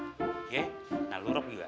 oke nah lu rob juga